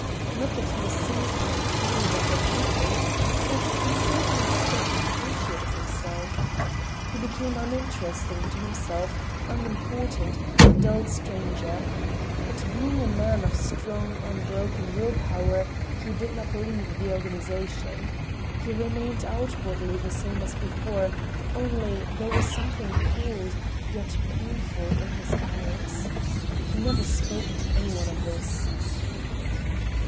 Not that he was seized with a feeling of repentance, but he simply stopped appreciating himself. He became uninteresting to himself, unimportant, a dull stranger. But being a man of strong, unbroken will power, he did not leave the organization. He remained outwardly the same as before, only there was something cold, yet painful in his eyes. He never spoke to anyone of this.